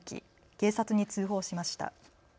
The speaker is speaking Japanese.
警察に通報しました。